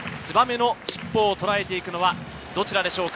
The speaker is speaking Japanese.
燕の尻尾をとらえていくのはどちらでしょうか。